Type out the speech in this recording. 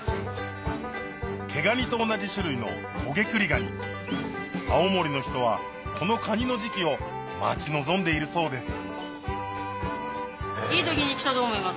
毛ガニと同じ種類のトゲクリガニ青森の人はこのカニの時期を待ち望んでいるそうですいい時に来たと思います。